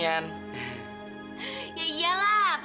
ya iyalah pembangunan